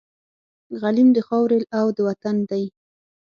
غلیم د خاوري او د وطن دی